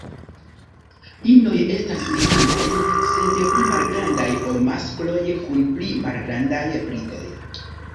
Inoj estas similaj, sed pli malgrandaj ol maskloj kun pli malgrandaj bridoj.